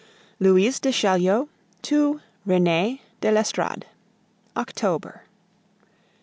LOUISE DE CHAULIEU TO RENEE DE L'ESTORADE October.